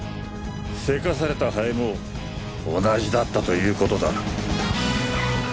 急かされたハエも同じだったという事だ。